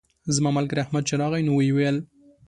زما ملګری احمد چې راغی نو ویې ویل.